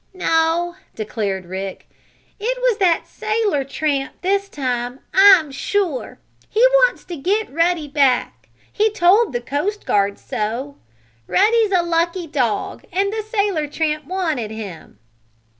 "No," declared Rick. "It was that sailor tramp, this time, I'm sure. He wants to get Ruddy back he told the coast guard so. Ruddy's a lucky dog, and the sailor tramp wanted him."